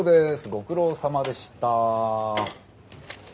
ご苦労さまでした。